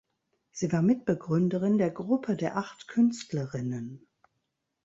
Sie war Mitbegründerin der Gruppe der Acht Künstlerinnen.